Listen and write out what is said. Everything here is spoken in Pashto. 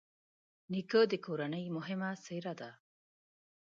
نیکه د کورنۍ مهمه څېره ده.